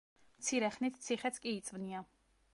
მცირე ხნით ციხეც კი იწვნია.